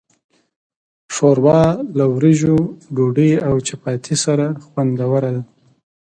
ښوروا له وریژو، ډوډۍ، او چپاتي سره خوندوره ده.